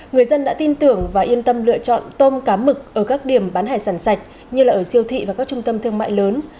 người dân đã tin tưởng và yên tâm lựa chọn tôm cá mực ở các điểm bán hải sản sạch như ở siêu thị và các trung tâm thương mại lớn